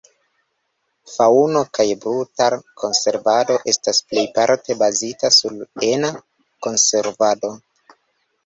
Faŭno- kaj brutar-konservado estas plejparte bazita sur ena konservado.